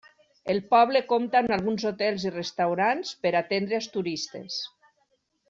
El poble compta amb alguns hotels i restaurants per atendre als turistes.